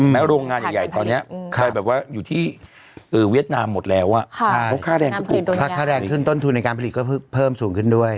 โรงงานใหญ่ตอนนี้ไปแบบว่าอยู่ที่เวียดนามหมดแล้วถ้าค่าแรงขึ้นต้นทุนในการผลิตก็เพิ่มสูงขึ้นด้วย